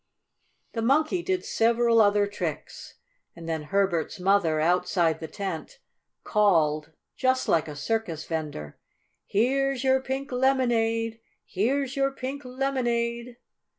The Monkey did several other tricks, and then Herbert's mother, outside the tent, called, just like a circus vendor: "Here's your pink lemonade! Here's your pink lemonade!"